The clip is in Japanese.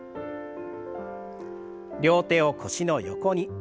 両手を腰の横に。